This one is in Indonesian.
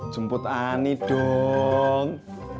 jemput ani dong